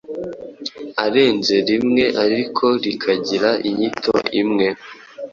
arenze rimwe ariko rikagira inyito imwe.